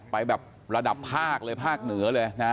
ไปแบบระดับภาคเลยภาคเหนือเลยนะ